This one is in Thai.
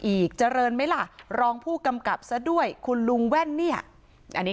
อีกเจริญไหมล่ะรองผู้กำกับซะด้วยคุณลุงแว่นเนี่ยอันนี้